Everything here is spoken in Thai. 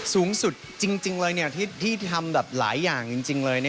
สูงสุดจริงเลยที่ทำแบบหลายอย่างจริงเลย